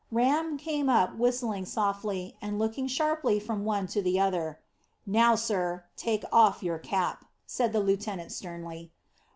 Ram came up, whistling softly, and looking sharply from one to the other. "Now, sir, take off your cap," said the lieutenant sternly.